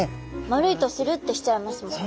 丸いとするってしちゃいますもんね。